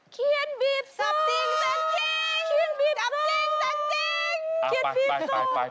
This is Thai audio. เขียนบีบส่งสับจริงสันจริง